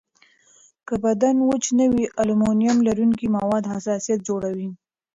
که بدن وچ نه وي، المونیم لرونکي مواد حساسیت جوړوي.